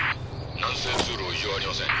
南西通路異常ありません。